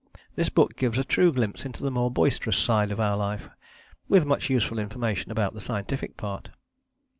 This book gives a true glimpse into the more boisterous side of our life, with much useful information about the scientific part.